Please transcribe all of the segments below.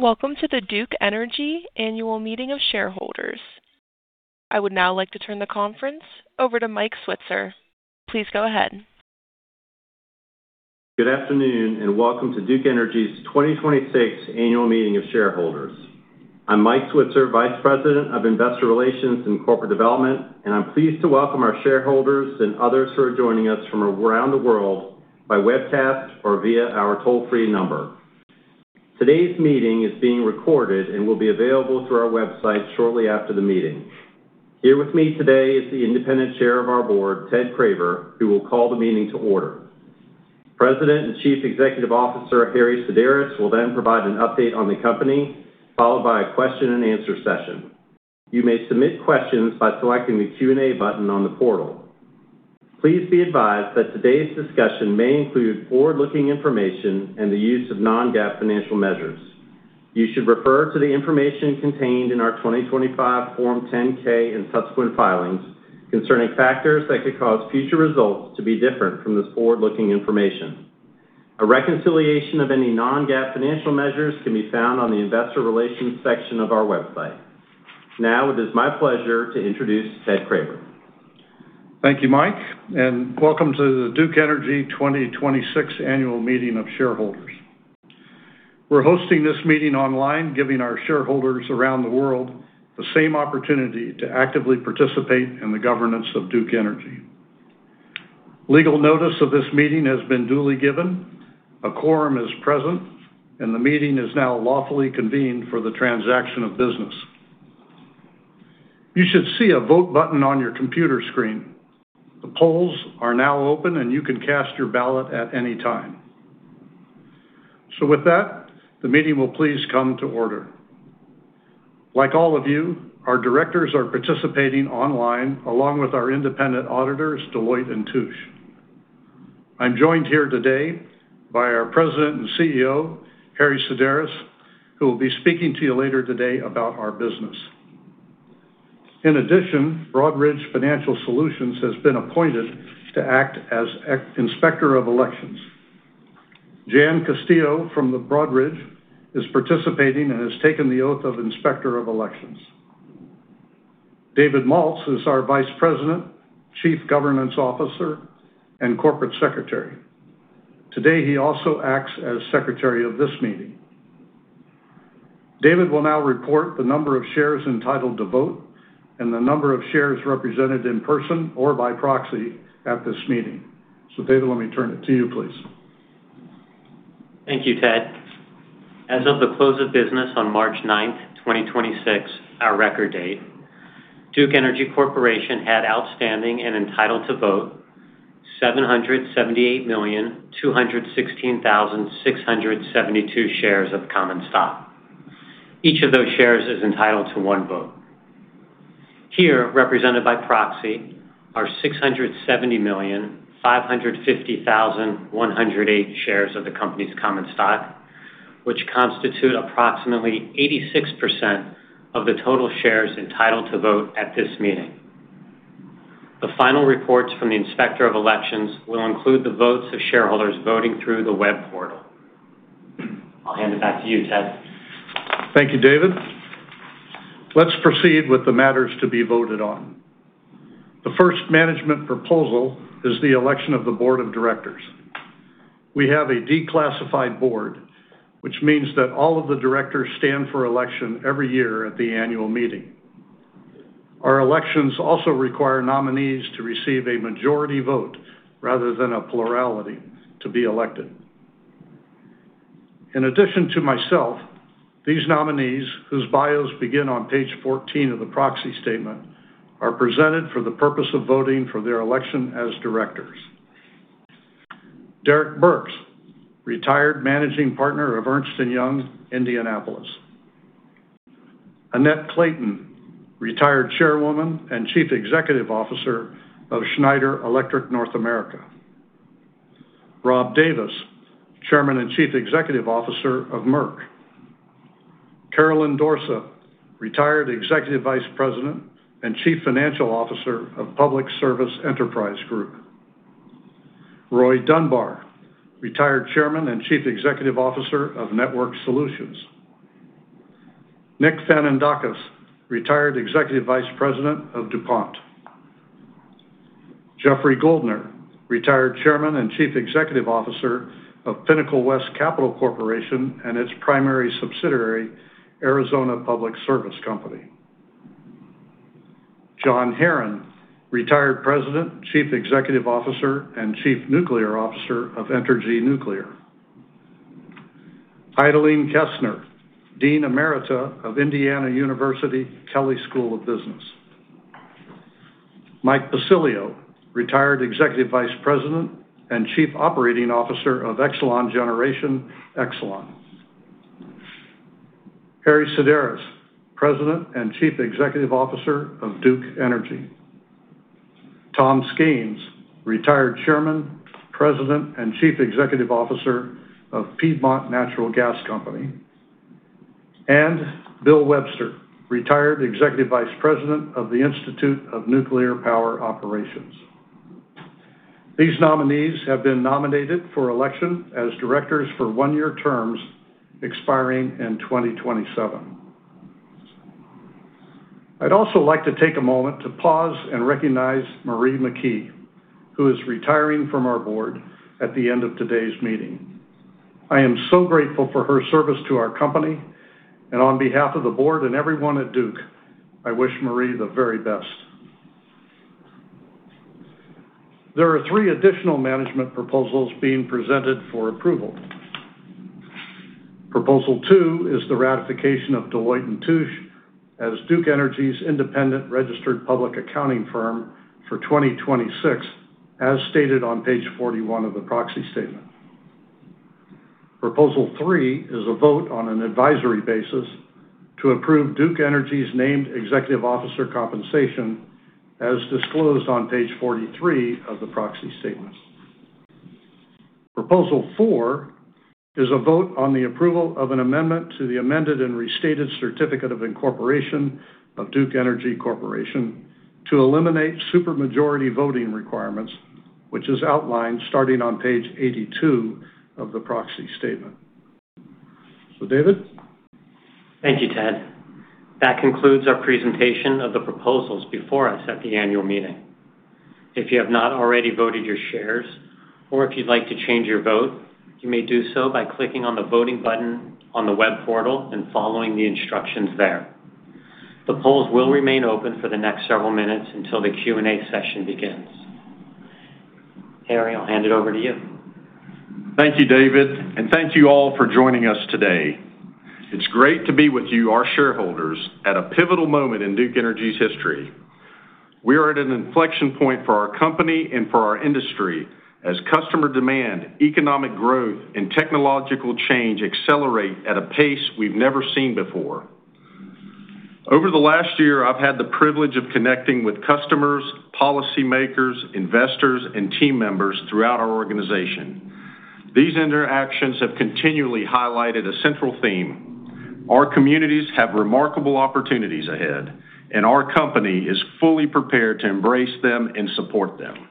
Welcome to the Duke Energy Annual Meeting of Shareholders. I would now like to turn the conference over to Mike Switzer. Please go ahead. Good afternoon, and welcome to Duke Energy's 2026 Annual Meeting of Shareholders. I'm Mike Switzer, Vice President of Investor Relations and Corporate Development, I'm pleased to welcome our shareholders and others who are joining us from around the world by webcast or via our toll-free number. Today's meeting is being recorded and will be available through our website shortly after the meeting. Here with me today is the Independent Chair of our board, Ted Craver, who will call the meeting to order. President and Chief Executive Officer, Harry Sideris, will then provide an update on the company, followed by a question and answer session. You may submit questions by selecting the Q&A button on the portal. Please be advised that today's discussion may include forward-looking information and the use of non-GAAP financial measures. You should refer to the information contained in our 2025 Form 10-K and subsequent filings concerning factors that could cause future results to be different from this forward-looking information. A reconciliation of any non-GAAP financial measures can be found on the investor relations section of our website. Now, it is my pleasure to introduce Ted Craver. Thank you, Mike, and welcome to the Duke Energy 2026 Annual Meeting of Shareholders. We're hosting this meeting online, giving our shareholders around the world the same opportunity to actively participate in the governance of Duke Energy. Legal notice of this meeting has been duly given, a quorum is present, and the meeting is now lawfully convened for the transaction of business. You should see a Vote button on your computer screen. The polls are now open, and you can cast your ballot at any time. With that, the meeting will please come to order. Like all of you, our directors are participating online, along with our independent auditors, Deloitte & Touche. I'm joined here today by our president and CEO, Harry Sideris, who will be speaking to you later today about our business. In addition, Broadridge Financial Solutions has been appointed to act as Inspector of Elections. Jan Castillo from Broadridge is participating and has taken the oath of inspector of elections. David Maltz is our Vice President, Chief Governance Officer, and Corporate Secretary. Today, he also acts as secretary of this meeting. David will now report the number of shares entitled to vote and the number of shares represented in person or by proxy at this meeting. David, let me turn it to you, please. Thank you, Ted. As of the close of business on March 9, 2026, our record date, Duke Energy Corporation had outstanding and entitled to vote 778,216,672 shares of common stock. Each of those shares is entitled to one vote. Here, represented by proxy, are 670,550,108 shares of the company's common stock, which constitute approximately 86% of the total shares entitled to vote at this meeting. The final reports from the Inspector of Elections will include the votes of shareholders voting through the web portal. I’ll hand it back to you, Ted. Thank you, David. Let's proceed with the matters to be voted on. The first management proposal is the election of the board of directors. We have a declassified board, which means that all of the directors stand for election every year at the annual meeting. Our elections also require nominees to receive a majority vote rather than a plurality to be elected. In addition to myself, these nominees, whose bios begin on page 14 of the proxy statement, are presented for the purpose of voting for their election as directors. Derrick Burks, retired managing partner of Ernst & Young, Indianapolis. Annette Clayton, retired Chairwoman and Chief Executive Officer of Schneider Electric North America. Rob Davis, Chairman and Chief Executive Officer of Merck. Caroline Dorsa, retired Executive Vice President and Chief Financial Officer of Public Service Enterprise Group Incorporated. Roy Dunbar, retired Chairman and Chief Executive Officer of Network Solutions. Nicholas Fanandakis, retired executive vice president of DuPont. Jeffrey Guldner, retired chairman and chief executive officer of Pinnacle West Capital Corporation and its primary subsidiary, Arizona Public Service Company. John Herron, retired president, chief executive officer, and chief nuclear officer of Entergy Nuclear. Idalene Kesner, dean emerita of Indiana University Kelley School of Business. Michael Pacilio, retired executive vice president and chief operating officer of Exelon Generation. Harry Sideris, president and chief executive officer of Duke Energy. Thomas Skains, retired chairman, president, and chief executive officer of Piedmont Natural Gas Company. William Webster, retired executive vice president of the Institute of Nuclear Power Operations. These nominees have been nominated for election as directors for one-year terms expiring in 2027. I'd also like to take a moment to pause and recognize Marie McKee, who is retiring from our board at the end of today's meeting. I am so grateful for her service to our company, and on behalf of the board and everyone at Duke, I wish Marie the very best. There are three additional management proposals being presented for approval. Proposal two is the ratification of Deloitte & Touche as Duke Energy's independent registered public accounting firm for 2026, as stated on page 41 of the proxy statement. Proposal three is a vote on an advisory basis to approve Duke Energy's named executive officer compensation as disclosed on page 43 of the proxy statement. Proposal four is a vote on the approval of an amendment to the amended and restated certificate of incorporation of Duke Energy Corporation to eliminate supermajority voting requirements, which is outlined starting on page 82 of the proxy statement. David? Thank you, Ted. That concludes our presentation of the proposals before us at the annual meeting. If you have not already voted your shares or if you'd like to change your vote, you may do so by clicking on the voting button on the web portal and following the instructions there. The polls will remain open for the next several minutes until the Q&A session begins. Harry, I'll hand it over to you. Thank you, David, and thank you all for joining us today. It's great to be with you, our shareholders, at a pivotal moment in Duke Energy's history. We are at an inflection point for our company and for our industry as customer demand, economic growth, and technological change accelerate at a pace we've never seen before. Over the last year, I've had the privilege of connecting with customers, policymakers, investors, and team members throughout our organization. These interactions have continually highlighted a central theme. Our communities have remarkable opportunities ahead, and our company is fully prepared to embrace them and support them.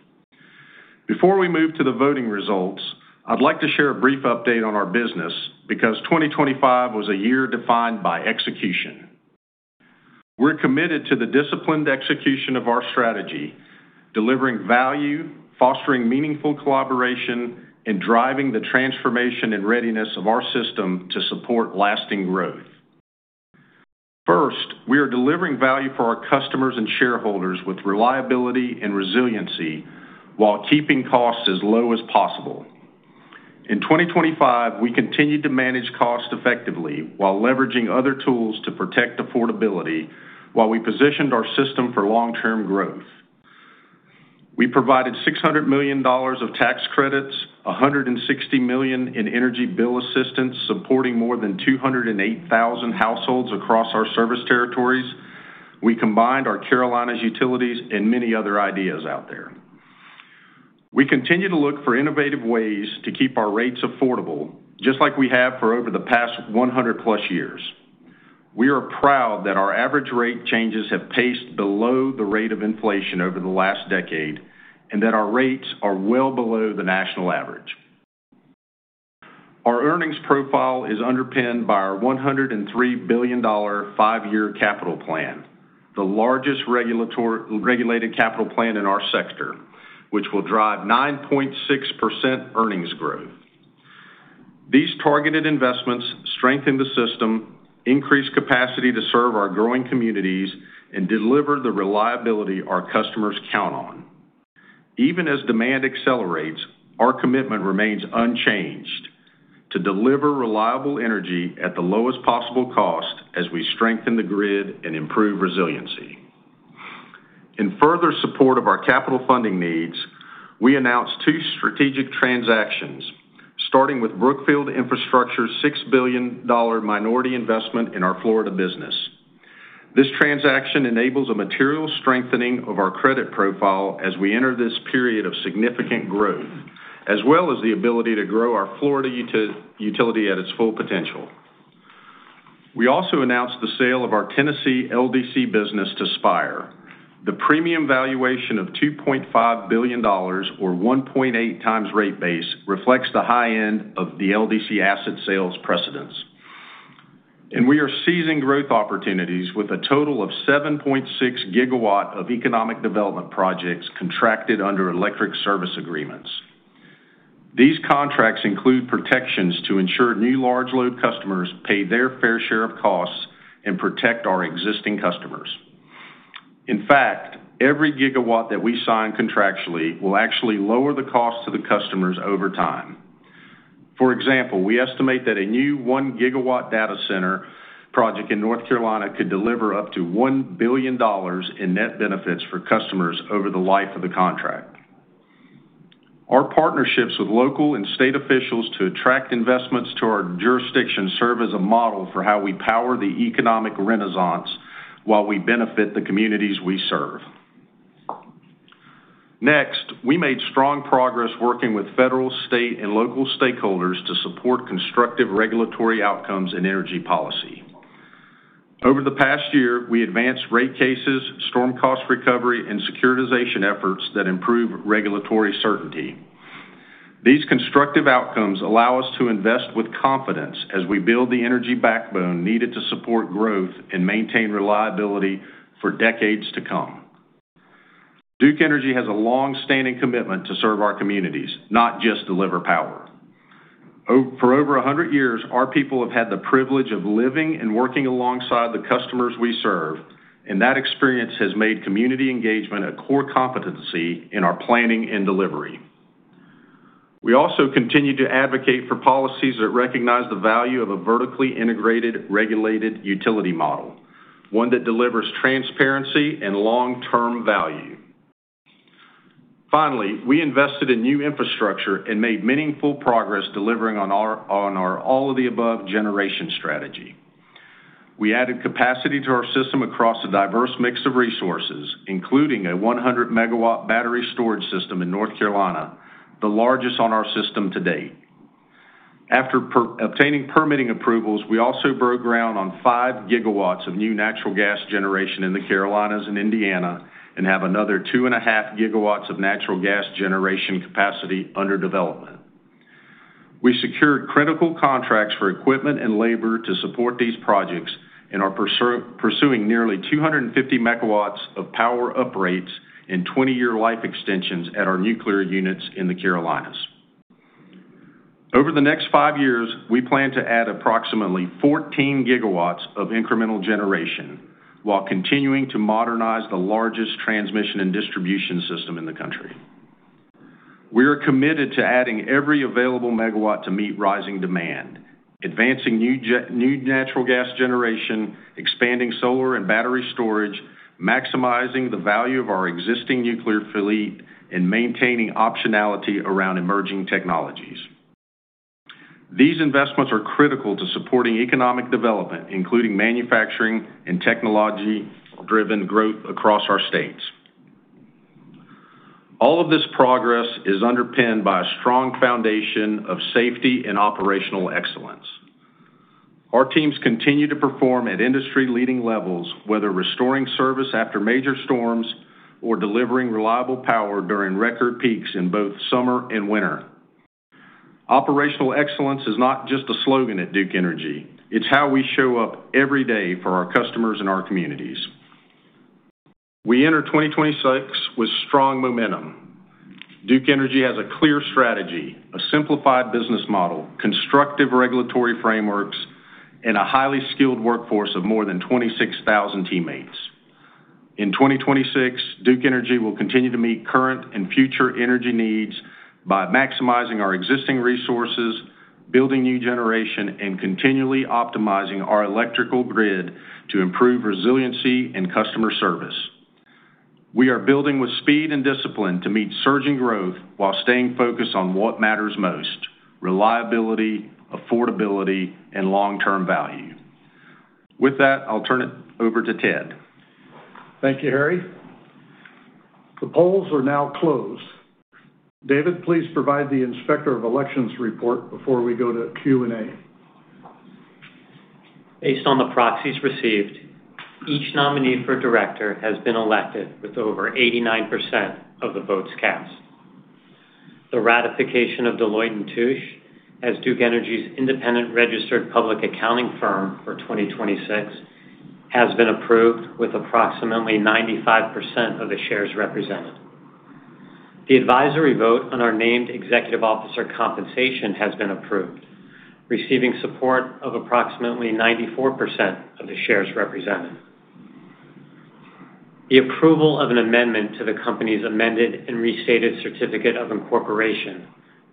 Before we move to the voting results, I'd like to share a brief update on our business because 2025 was a year defined by execution. We're committed to the disciplined execution of our strategy, delivering value, fostering meaningful collaboration, and driving the transformation and readiness of our system to support lasting growth. First, we are delivering value for our customers and shareholders with reliability and resiliency while keeping costs as low as possible. In 2025, we continued to manage costs effectively while leveraging other tools to protect affordability while we positioned our system for long-term growth. We provided $600 million of tax credits, $160 million in energy bill assistance, supporting more than 208,000 households across our service territories. We combined our Carolinas utilities and many other ideas out there. We continue to look for innovative ways to keep our rates affordable, just like we have for over the past 100+ years. We are proud that our average rate changes have paced below the rate of inflation over the last decade and that our rates are well below the national average. Our earnings profile is underpinned by our $103 billion 5-year capital plan, the largest regulated capital plan in our sector, which will drive 9.6% earnings growth. These targeted investments strengthen the system, increase capacity to serve our growing communities, and deliver the reliability our customers count on. Even as demand accelerates, our commitment remains unchanged: to deliver reliable energy at the lowest possible cost as we strengthen the grid and improve resiliency. In further support of our capital funding needs, we announced two strategic transactions, starting with Brookfield Infrastructure's $6 billion minority investment in our Florida business. This transaction enables a material strengthening of our credit profile as we enter this period of significant growth, as well as the ability to grow our Florida utility at its full potential. We also announced the sale of our Tennessee LDC business to Spire. The premium valuation of $2.5 billion or 1.8 times rate base reflects the high end of the LDC asset sales precedents. We are seizing growth opportunities with a total of 7.6 GW of economic development projects contracted under electric service agreements. These contracts include protections to ensure new large load customers pay their fair share of costs and protect our existing customers. In fact, every GW that we sign contractually will actually lower the cost to the customers over time. For example, we estimate that a new one-gigawatt data center project in North Carolina could deliver up to $1 billion in net benefits for customers over the life of the contract. Our partnerships with local and state officials to attract investments to our jurisdiction serve as a model for how we power the economic renaissance while we benefit the communities we serve. We made strong progress working with federal, state, and local stakeholders to support constructive regulatory outcomes in energy policy. Over the past year, we advanced rate cases, storm cost recovery, and securitization efforts that improve regulatory certainty. These constructive outcomes allow us to invest with confidence as we build the energy backbone needed to support growth and maintain reliability for decades to come. Duke Energy has a long-standing commitment to serve our communities, not just deliver power. For over 100 years, our people have had the privilege of living and working alongside the customers we serve, and that experience has made community engagement a core competency in our planning and delivery. We also continue to advocate for policies that recognize the value of a vertically integrated regulated utility model, one that delivers transparency and long-term value. Finally, we invested in new infrastructure and made meaningful progress delivering on our all-of-the-above generation strategy. We added capacity to our system across a diverse mix of resources, including a 100 MW battery storage system in North Carolina, the largest on our system to date. After obtaining permitting approvals, we also broke ground on 5 GW of new natural gas generation in the Carolinas and Indiana and have another 2.5 GW of natural gas generation capacity under development. We secured critical contracts for equipment and labor to support these projects and are pursuing nearly 250 MW of power uprates and 20-year life extensions at our nuclear units in the Carolinas. Over the next 5 years, we plan to add approximately 14 GW of incremental generation while continuing to modernize the largest transmission and distribution system in the country. We are committed to adding every available megawatt to meet rising demand, advancing new natural gas generation, expanding solar and battery storage, maximizing the value of our existing nuclear fleet, and maintaining optionality around emerging technologies. These investments are critical to supporting economic development, including manufacturing and technology-driven growth across our states. All of this progress is underpinned by a strong foundation of safety and operational excellence. Our teams continue to perform at industry-leading levels, whether restoring service after major storms or delivering reliable power during record peaks in both summer and winter. Operational excellence is not just a slogan at Duke Energy. It's how we show up every day for our customers and our communities. We enter 2026 with strong momentum. Duke Energy has a clear strategy, a simplified business model, constructive regulatory frameworks, and a highly skilled workforce of more than 26,000 teammates. In 2026, Duke Energy will continue to meet current and future energy needs by maximizing our existing resources, building new generation, and continually optimizing our electrical grid to improve resiliency and customer service. We are building with speed and discipline to meet surging growth while staying focused on what matters most: reliability, affordability, and long-term value. With that, I'll turn it over to Ted. Thank you, Harry. The polls are now closed. David, please provide the Inspector of Elections report before we go to Q&A. Based on the proxies received, each nominee for director has been elected with over 89% of the votes cast. The ratification of Deloitte & Touche as Duke Energy's independent registered public accounting firm for 2026 has been approved with approximately 95% of the shares represented. The advisory vote on our named executive officer compensation has been approved, receiving support of approximately 94% of the shares represented. The approval of an amendment to the company's amended and restated certificate of incorporation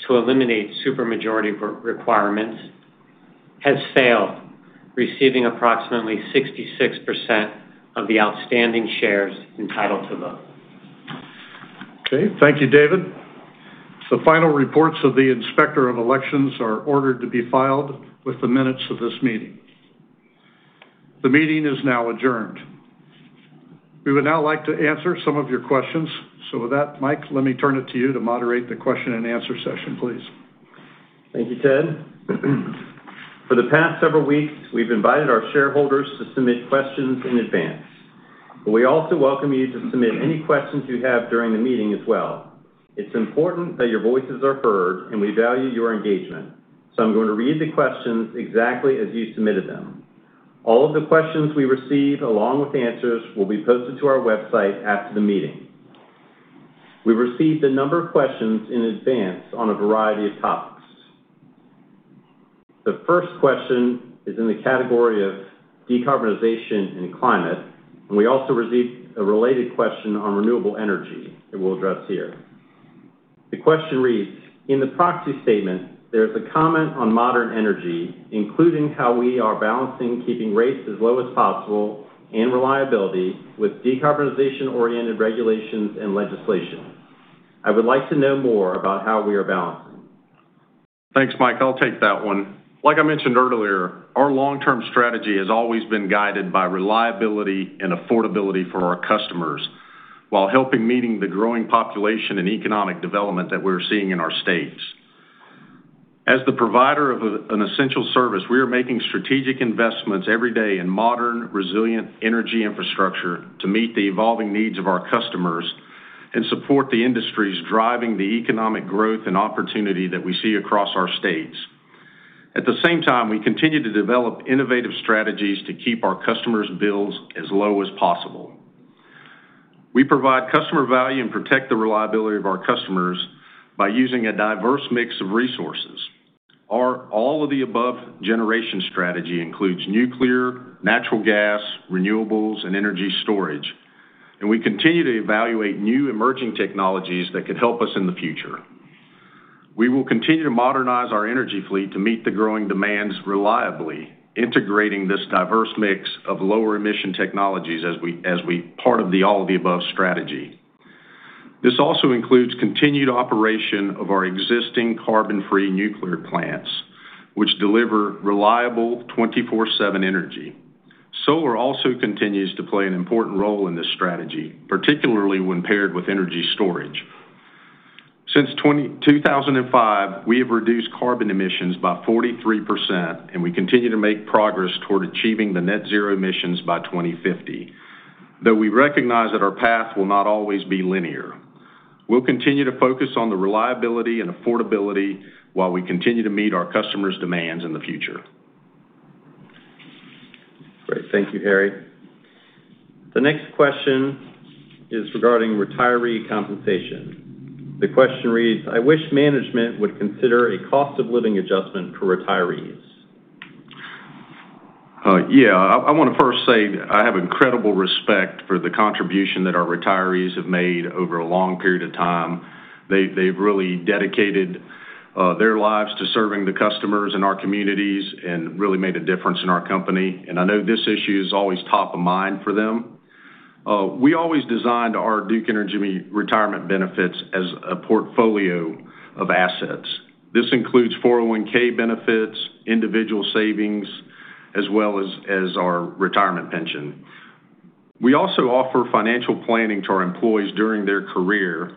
to eliminate supermajority requirements has failed, receiving approximately 66% of the outstanding shares entitled to vote. Okay. Thank you, David. The final reports of the Inspector of Elections are ordered to be filed with the minutes of this meeting. The meeting is now adjourned. We would now like to answer some of your questions. With that, Mike, let me turn it to you to moderate the question and answer session, please. Thank you, Ted. For the past several weeks, we've invited our shareholders to submit questions in advance, but we also welcome you to submit any questions you have during the meeting as well. It's important that your voices are heard, and we value your engagement, so I'm going to read the questions exactly as you submitted them. All of the questions we receive, along with answers, will be posted to our website after the meeting. We received a number of questions in advance on a variety of topics. The first question is in the category of decarbonization and climate, and we also received a related question on renewable energy that we'll address here. The question reads, "In the proxy statement, there's a comment on modern energy, including how we are balancing keeping rates as low as possible and reliability with decarbonization-oriented regulations and legislation. I would like to know more about how we are balancing. Thanks, Mike. I'll take that one. Like I mentioned earlier, our long-term strategy has always been guided by reliability and affordability for our customers while helping meeting the growing population and economic development that we're seeing in our states. As the provider of an essential service, we are making strategic investments every day in modern, resilient energy infrastructure to meet the evolving needs of our customers and support the industries driving the economic growth and opportunity that we see across our states. At the same time, we continue to develop innovative strategies to keep our customers' bills as low as possible. We provide customer value and protect the reliability of our customers by using a diverse mix of resources. Our all-of-the-above generation strategy includes nuclear, natural gas, renewables, and energy storage, and we continue to evaluate new emerging technologies that could help us in the future. We will continue to modernize our energy fleet to meet the growing demands reliably, integrating this diverse mix of lower emission technologies part of the all-of-the-above strategy. This also includes continued operation of our existing carbon-free nuclear plants, which deliver reliable 24/7 energy. Solar also continues to play an important role in this strategy, particularly when paired with energy storage. Since 2005, we have reduced carbon emissions by 43%, and we continue to make progress toward achieving the net zero emissions by 2050. We recognize that our path will not always be linear. We'll continue to focus on the reliability and affordability while we continue to meet our customers' demands in the future. Great. Thank you, Harry. The next question is regarding retiree compensation. The question reads, "I wish management would consider a cost of living adjustment for retirees." Yeah. I want to first say I have incredible respect for the contribution that our retirees have made over a long period of time. They've really dedicated their lives to serving the customers in our communities and really made a difference in our company. I know this issue is always top of mind for them. We always designed our Duke Energy retirement benefits as a portfolio of assets. This includes 401(k) benefits, individual savings, as well as our retirement pension. We also offer financial planning to our employees during their career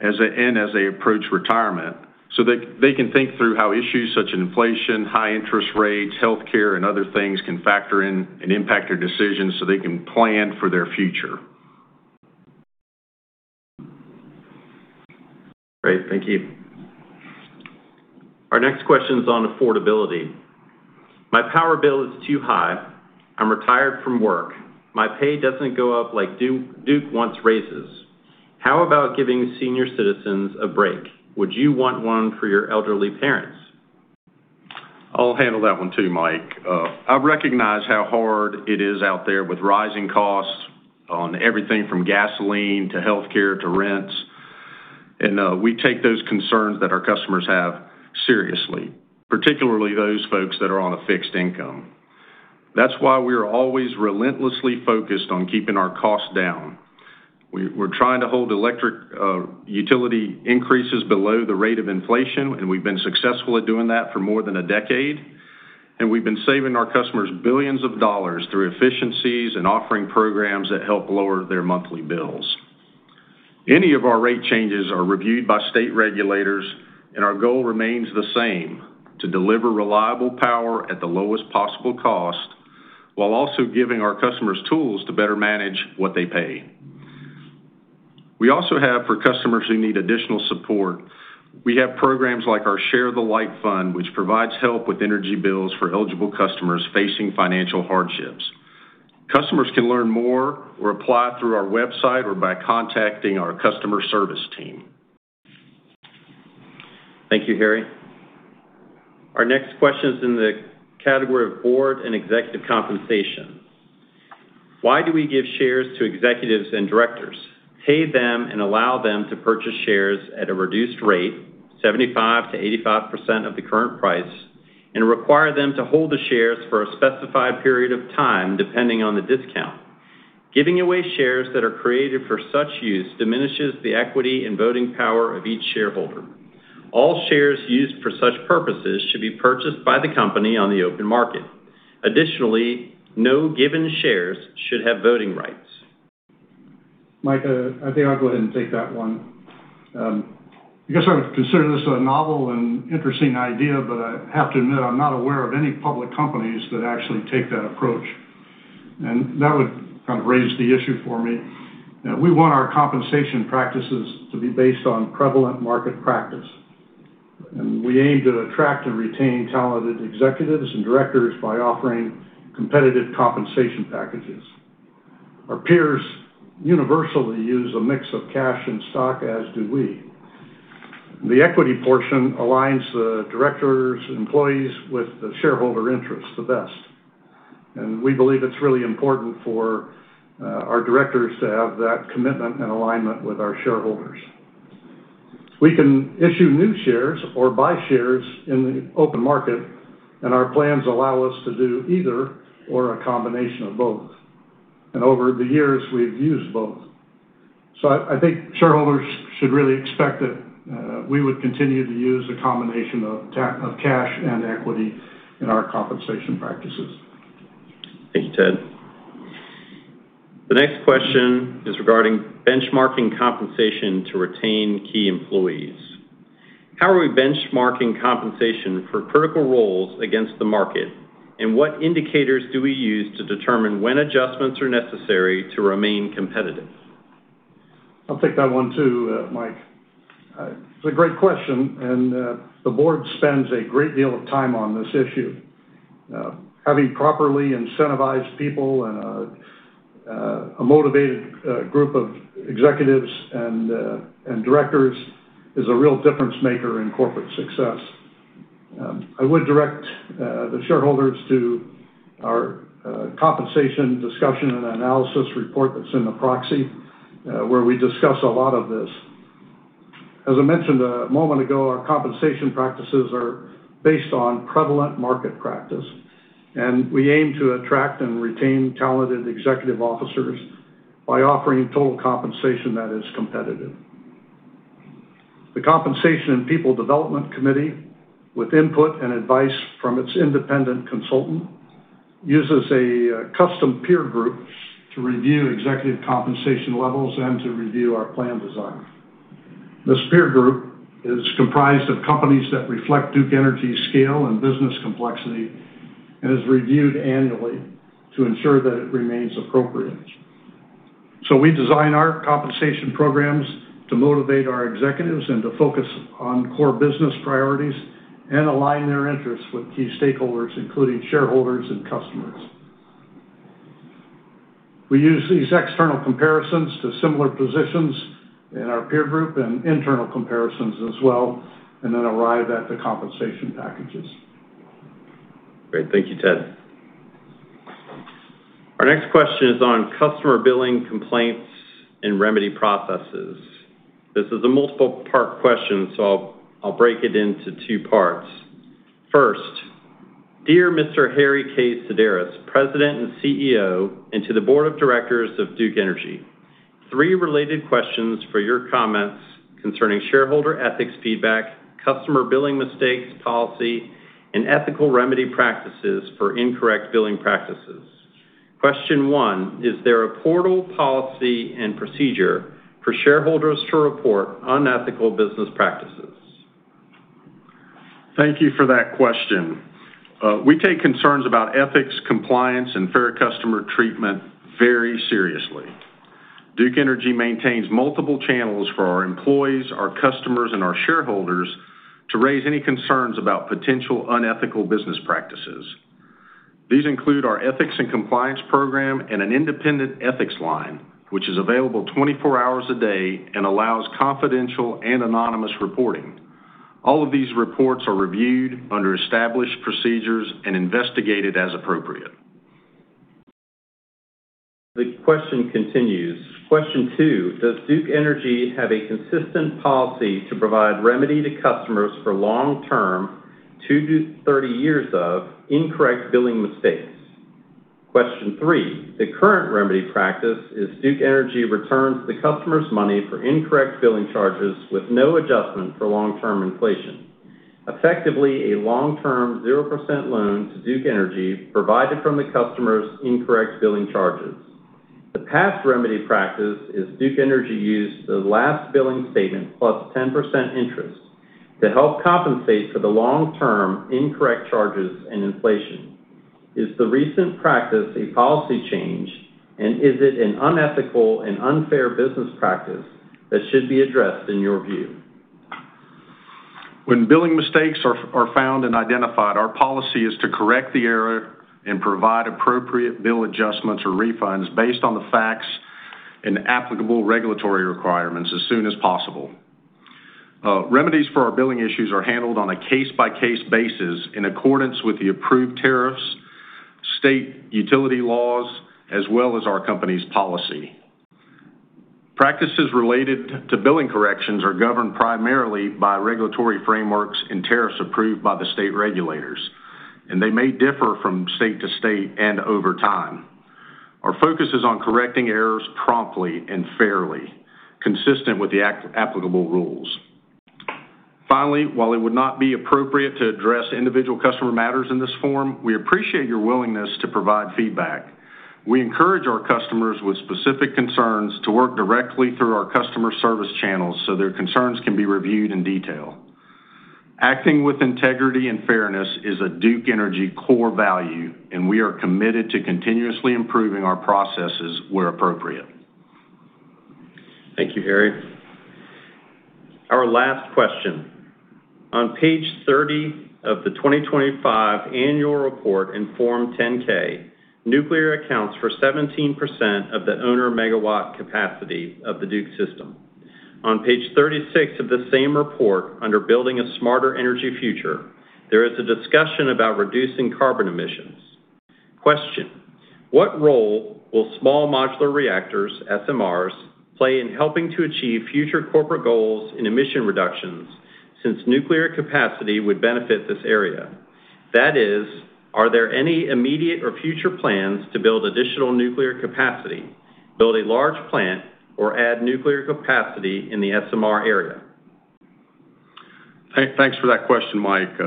as they approach retirement, so they can think through how issues such as inflation, high interest rates, healthcare, and other things can factor in and impact their decisions so they can plan for their future. Great. Thank you. Our next question is on affordability. My power bill is too high. I'm retired from work. My pay doesn't go up like Duke wants raises. How about giving senior citizens a break? Would you want one for your elderly parents? I'll handle that one too, Mike. I recognize how hard it is out there with rising costs on everything from gasoline to healthcare to rents. We take those concerns that our customers have seriously, particularly those folks that are on a fixed income. That's why we are always relentlessly focused on keeping our costs down. We're trying to hold electric utility increases below the rate of inflation, and we've been successful at doing that for more than a decade. We've been saving our customers billions of dollars through efficiencies and offering programs that help lower their monthly bills. Any of our rate changes are reviewed by state regulators, and our goal remains the same: to deliver reliable power at the lowest possible cost while also giving our customers tools to better manage what they pay. We also have, for customers who need additional support, we have programs like our Share the Light Fund, which provides help with energy bills for eligible customers facing financial hardships. Customers can learn more or apply through our website or by contacting our customer service team. Thank you, Harry. Our next question is in the category of board and executive compensation. "Why do we give shares to executives and directors, pay them and allow them to purchase shares at a reduced rate, 75%-85% of the current price, and require them to hold the shares for a specified period of time depending on the discount? Giving away shares that are created for such use diminishes the equity and voting power of each shareholder. All shares used for such purposes should be purchased by the company on the open market. Additionally, no given shares should have voting rights. Mike, I think I'll go ahead and take that one. I guess I would consider this a novel and interesting idea. I have to admit I'm not aware of any public companies that actually take that approach. That would kind of raise the issue for me. We want our compensation practices to be based on prevalent market practice. We aim to attract and retain talented executives and directors by offering competitive compensation packages. Our peers universally use a mix of cash and stock, as do we. The equity portion aligns the directors, employees with the shareholder interests the best. We believe it's really important for our directors to have that commitment and alignment with our shareholders. We can issue new shares or buy shares in the open market. Our plans allow us to do either or a combination of both. Over the years, we've used both. I think shareholders should really expect that we would continue to use a combination of cash and equity in our compensation practices. Thank you, Ted. The next question is regarding benchmarking compensation to retain key employees. How are we benchmarking compensation for critical roles against the market? What indicators do we use to determine when adjustments are necessary to remain competitive? I'll take that one too, Mike. It's a great question, and the board spends a great deal of time on this issue. Having properly incentivized people and a motivated group of executives and directors is a real difference-maker in corporate success. I would direct the shareholders to our compensation discussion and analysis report that's in the proxy, where we discuss a lot of this. As I mentioned a moment ago, our compensation practices are based on prevalent market practice, and we aim to attract and retain talented executive officers by offering total compensation that is competitive. The Compensation and People Development Committee, with input and advice from its independent consultant, uses a custom peer group to review executive compensation levels and to review our plan design. This peer group is comprised of companies that reflect Duke Energy's scale and business complexity and is reviewed annually to ensure that it remains appropriate. We design our compensation programs to motivate our executives and to focus on core business priorities and align their interests with key stakeholders, including shareholders and customers. We use these external comparisons to similar positions in our peer group and internal comparisons as well, and arrive at the compensation packages. Great. Thank you, Ted. Our next question is on customer billing complaints and remedy processes. This is a multiple-part question. I'll break it into two parts. First, Dear Mr. Harry K. Sideris, President and CEO, and to the Board of Directors of Duke Energy, three related questions for your comments concerning shareholder ethics feedback, customer billing mistakes policy, and ethical remedy practices for incorrect billing practices. Question one: Is there a portal policy and procedure for shareholders to report unethical business practices? Thank you for that question. We take concerns about ethics, compliance, and fair customer treatment very seriously. Duke Energy maintains multiple channels for our employees, our customers, and our shareholders to raise any concerns about potential unethical business practices. These include our ethics and compliance program and an independent ethics line, which is available 24 hours a day and allows confidential and anonymous reporting. All of these reports are reviewed under established procedures and investigated as appropriate. The question continues. Question two: Does Duke Energy have a consistent policy to provide remedy to customers for long-term, 2-30 years of incorrect billing mistakes? Question three: The current remedy practice is Duke Energy returns the customer's money for incorrect billing charges with no adjustment for long-term inflation. Effectively, a long-term 0% loan to Duke Energy provided from the customer's incorrect billing charges. The past remedy practice is Duke Energy used the last billing statement plus 10% interest to help compensate for the long-term incorrect charges and inflation. Is the recent practice a policy change, and is it an unethical and unfair business practice that should be addressed in your view? When billing mistakes are found and identified, our policy is to correct the error and provide appropriate bill adjustments or refunds based on the facts and applicable regulatory requirements as soon as possible. Remedies for our billing issues are handled on a case-by-case basis in accordance with the approved tariffs, state utility laws, as well as our company's policy. Practices related to billing corrections are governed primarily by regulatory frameworks and tariffs approved by the state regulators, and they may differ from state to state and over time. Our focus is on correcting errors promptly and fairly, consistent with the applicable rules. Finally, while it would not be appropriate to address individual customer matters in this form, we appreciate your willingness to provide feedback. We encourage our customers with specific concerns to work directly through our customer service channels so their concerns can be reviewed in detail. Acting with integrity and fairness is a Duke Energy core value, and we are committed to continuously improving our processes where appropriate. Thank you, Harry. Our last question. On page 30 of the 2025 annual report in Form 10-K, nuclear accounts for 17% of the owner megawatt capacity of the Duke system. On page 36 of the same report under Building a Smarter Energy Future, there is a discussion about reducing carbon emissions. Question: What role will small modular reactors, SMRs, play in helping to achieve future corporate goals in emission reductions since nuclear capacity would benefit this area? That is, are there any immediate or future plans to build additional nuclear capacity, build a large plant or add nuclear capacity in the SMR area? Thanks for that question, Mike.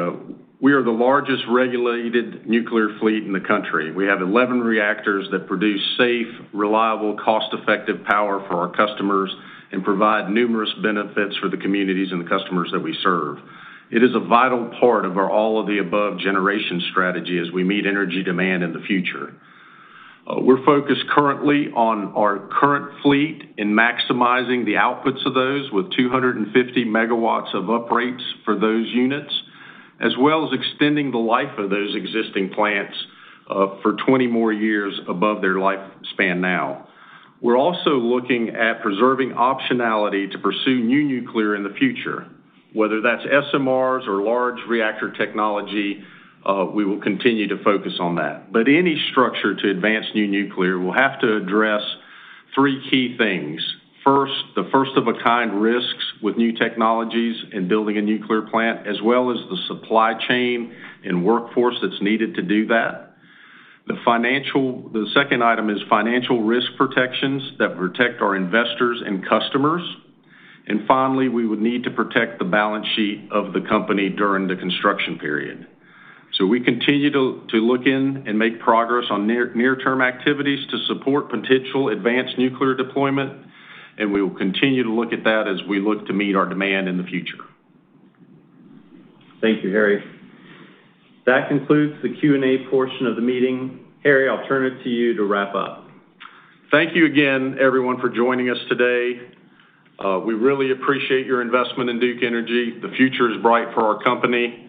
We are the largest regulated nuclear fleet in the country. We have 11 reactors that produce safe, reliable, cost-effective power for our customers and provide numerous benefits for the communities and the customers that we serve. It is a vital part of our all-of-the-above generation strategy as we meet energy demand in the future. We're focused currently on our current fleet in maximizing the outputs of those with 250 MW of uprates for those units, as well as extending the life of those existing plants for 20 more years above their lifespan now. We're also looking at preserving optionality to pursue new nuclear in the future, whether that's SMRs or large reactor technology, we will continue to focus on that. Any structure to advance new nuclear will have to address three key things. First, the first-of-a-kind risks with new technologies in building a nuclear plant, as well as the supply chain and workforce that's needed to do that. The second item is financial risk protections that protect our investors and customers. Finally, we would need to protect the balance sheet of the company during the construction period. We continue to look in and make progress on near-term activities to support potential advanced nuclear deployment. We will continue to look at that as we look to meet our demand in the future. Thank you, Harry. That concludes the Q&A portion of the meeting. Harry, I'll turn it to you to wrap up. Thank you again, everyone, for joining us today. We really appreciate your investment in Duke Energy. The future is bright for our company.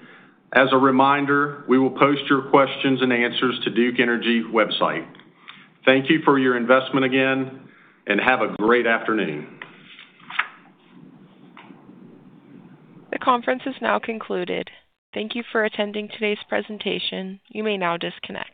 As a reminder, we will post your questions and answers to Duke Energy website. Thank you for your investment again, and have a great afternoon. The conference is now concluded. Thank you for attending today's presentation. You may now disconnect.